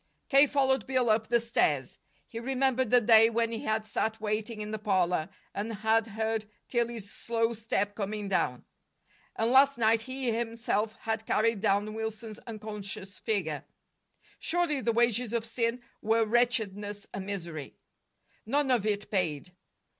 K. followed Bill up the stairs. He remembered the day when he had sat waiting in the parlor, and had heard Tillie's slow step coming down. And last night he himself had carried down Wilson's unconscious figure. Surely the wages of sin were wretchedness and misery. None of it paid.